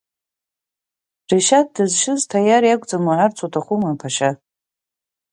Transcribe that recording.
Решьаҭ дызшьыз Ҭаиар иакәӡам уҳәарц уҭахума, аԥашьа?!